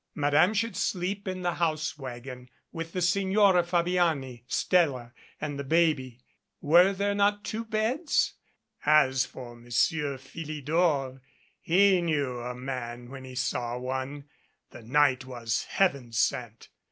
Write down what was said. Madame should sleep in the house wagon with the Sig nora Fabiani, Stella and the baby. Were there not two beds? As for Monsieur Philidor he knew a man when he saw one. The night was heaven sent.